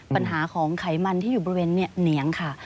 ปัญหาของไขมันที่อยู่บริเวณเหนียงค่ะ